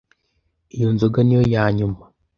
Iyi nzoga niyo yanyuma.